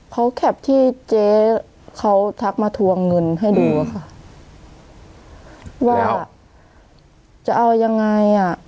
เขาแคปที่เจ๊เขาทักมาทวงเงินให้ดูอะค่ะว่าจะเอายังไงอ่ะ